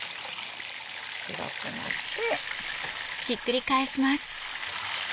白くなって。